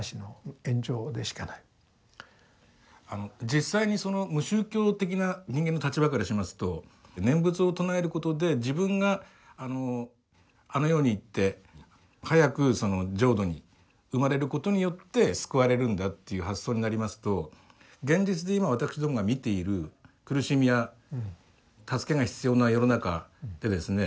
実際にその無宗教的な人間の立場からしますと念仏を称えることで自分があのあの世に行って早くその浄土に生まれることによって救われるんだという発想になりますと現実で今私どもが見ている苦しみや助けが必要な世の中でですね